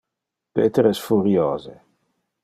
Peter es furiose.